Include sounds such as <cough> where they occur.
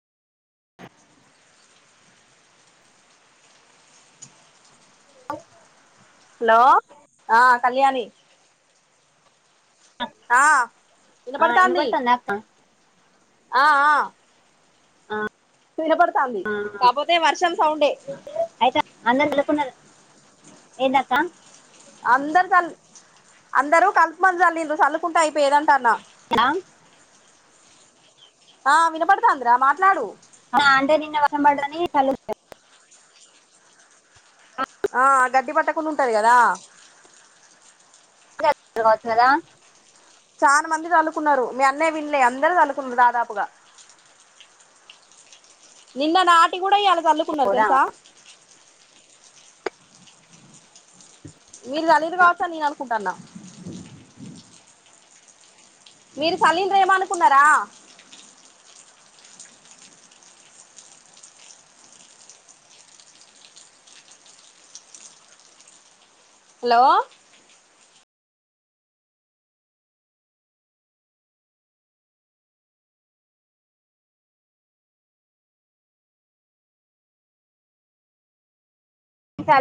<inaudible> అవ్ హలో! ఆ కళ్యాణి ఆ ఆ విన్నపడతాంది వినపడుతుందా అక్క ఆ ఆ వినపడతాంది కాపోతే వర్షం సౌండే ఏంది అక్క అందరు చల్ అందరూ కల్ప్ మందు చల్లరిన్రు చల్లుకుంటూ అయిపోయేదంటాన్న ఓకే నా ఆ వినపడతాందరా మాట్లాడు ఆ అంటే నిన్న వర్షం పడదని చలు ఆ గడ్డి పట్టకుండా ఉంటాది కదా కత్తెర కావచ్చు కదా చాలా మంది చలుకున్నారు మీ అన్నయ్య వినలే అందరూ చలుకున్నారు దాదాపుగా నిన్న నాటి కూడా ఇయాలా చల్లుకున్నారు పోరా. తెలుసా మీరు చల్లిరు కావచ్చా అని నేను అనుకుంటాన్నా మీరు చల్లిండి రేమో అనుకున్నారా హలో చాలా